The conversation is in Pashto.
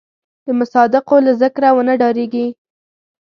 د مصادقو له ذکره ونه ډارېږي.